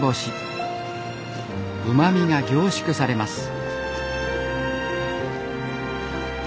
うまみが凝縮されます。